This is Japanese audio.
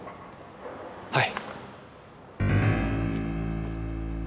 はい。